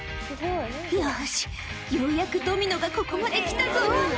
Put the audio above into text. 「よしようやくドミノがここまで来たぞ」